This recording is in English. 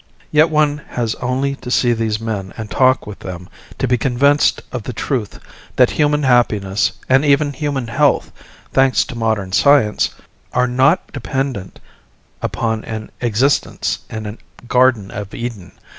Yet one has only to see these men and talk with them to be convinced of the truth that human happiness and even human health thanks to modern science are not dependent upon an existence in a Garden of Eden.